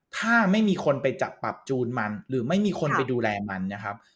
ถ้าไม่มีคนไปจับปรับจูนมันหรือไม่มีคนไปดูแลมันนะครับ